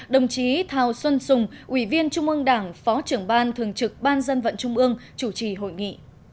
đồng chí thào xuân sùng ủy viên trung ương đảng phó trưởng ban thường trực ban dân vận trung ương chủ trì hội nghị